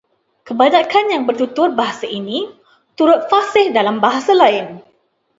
Kebanyakan yang bertutur bahasa ini turut fasih dalam bahasa lain